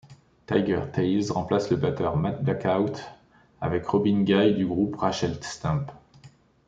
Tigertailz remplace le batteur Matt Blakout avec Robin Guy du groupe Rachel Stamp.